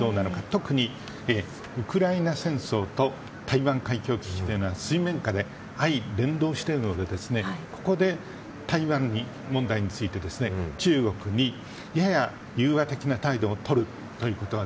特に、ウクライナ戦争と台湾海峡危機というのは水面下で、連動しているのでここで台湾問題について中国にやや融和的な態度をとるというのは